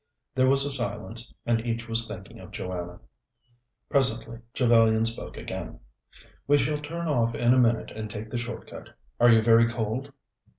There was a silence, and each was thinking of Joanna. Presently Trevellyan spoke again. "We shall turn off in a minute and take the short cut. Are you very cold?"